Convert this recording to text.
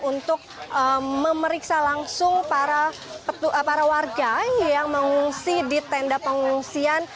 untuk memeriksa langsung para warga yang mengungsi di tenda pengungsian